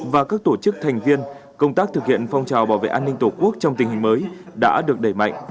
và các tổ chức thành viên công tác thực hiện phong trào bảo vệ an ninh tổ quốc trong tình hình mới đã được đẩy mạnh